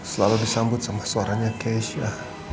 selalu disambut sama suaranya keisha